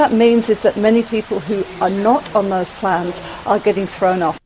dan apa yang itu artinya adalah banyak orang yang tidak berbelanja itu akan diperlukan